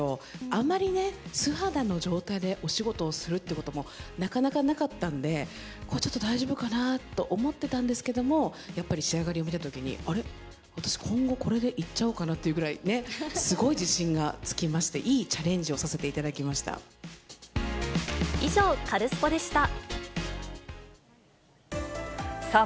あまりね、素肌の状態でお仕事をするということもなかなかなかったんで、こう、ちょっと大丈夫かなと思ってたんですけど、やっぱり仕上がりを見たときに、あれ、私、今後、これでいっちゃおうかなっていうぐらいね、すごい自信がつきまして、いいチャレンジをさせていた以上、カルスポっ！でした。